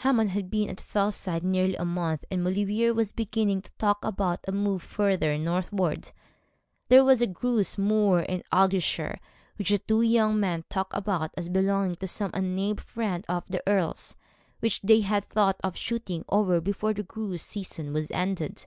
Hammond had been at Fellside nearly a month, and Maulevrier was beginning to talk about a move further northward. There was a grouse moor in Argyleshire which the two young men talked about as belonging to some unnamed friend of the Earl's, which they had thought of shooting over before the grouse season was ended.